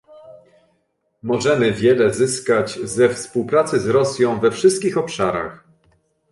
Możemy wiele zyskać ze współpracy z Rosją we wszystkich obszarach